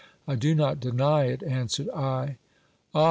I do not deny it, answered I. Ah